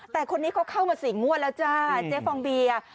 แต่คนนี้เขาเข้ามา๔งวดแล้วจ้าเจ๊ฟองเบียร์